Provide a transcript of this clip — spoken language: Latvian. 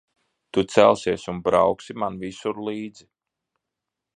Tu celsies un brauksi man visur līdzi.